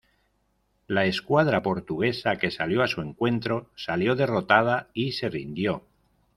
La escuadra portuguesa que salió a su encuentro salió derrotada y se rindió.